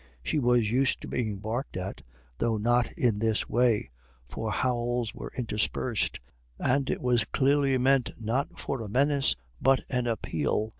She was used to being barked at, though not in this way, for howls were interspersed, and it was clearly meant not for a menace but an appeal.